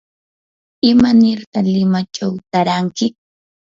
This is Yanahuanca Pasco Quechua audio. ¿imanirta limachaw taaranki?